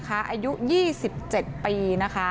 อายุ๒๗ปี